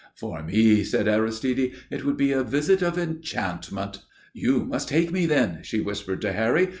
"For me," said Aristide, "it would be a visit of enchantment." "You must take me, then," she whispered to Harry.